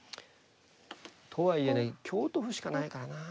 とはいえね香と歩しかないからなあ。